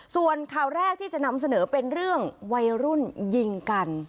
ส่วนข่าวแรกที่จะนำเสนอเป็นเรื่องวัยรุ่นยิงกัน